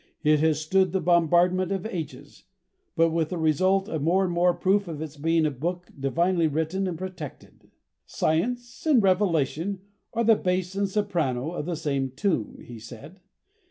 It has stood the bombardment of ages, but with the result of more and more proof of its being a book divinely written and protected." "Science and Revelation are the bass and soprano of the same tune," he said.